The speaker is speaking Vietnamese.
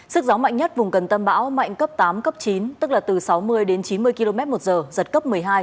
sức gió mạnh nhất vùng gần tâm bão mạnh cấp tám cấp chín tức là từ sáu mươi đến chín mươi km một giờ giật cấp một mươi hai